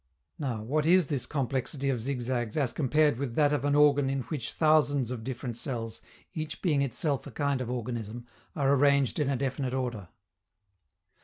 Now, what is this complexity of zigzags as compared with that of an organ in which thousands of different cells, each being itself a kind of organism, are arranged in a definite order?